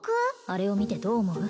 あれを見てどう思う？